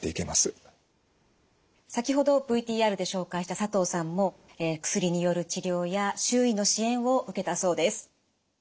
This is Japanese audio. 先ほどＶＴＲで紹介した佐藤さんも薬による治療や周囲の支援を受けたそうです。